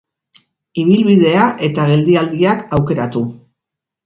Ibilbidea eta geldialdiak aukeratu.